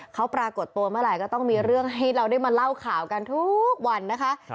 เขาปรากฏตัวเมื่อไหร่ก็ต้องมีเรื่องให้เราได้มาเล่าข่าวกันทุกวันนะคะ